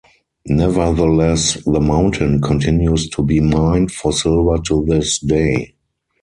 Nevertheless, the mountain continues to be mined for silver to this day.